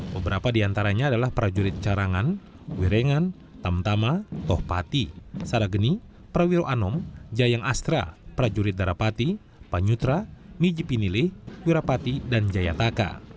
beberapa di antaranya adalah prajurit carangan wirengan tamtama toh pati sarageni prawiro anom jayang astra prajurit darapati panyutra mijipinile wirapati dan jayataka